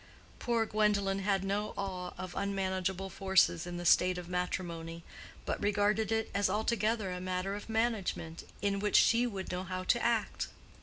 Poor Gwendolen had no awe of unmanageable forces in the state of matrimony, but regarded it as altogether a matter of management, in which she would know how to act.